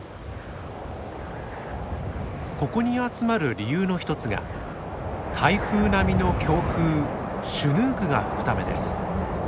ここに集まる理由の１つが台風並みの強風「シュヌーク」が吹くためです。